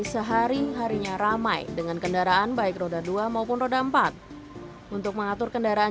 sehari harinya ramai dengan kendaraan baik roda dua maupun roda empat untuk mengatur kendaraan